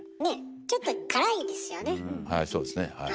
はいそうですねはい。